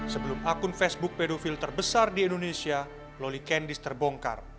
sebelum akun facebook pedofil terbesar di indonesia loli kandis terbongkar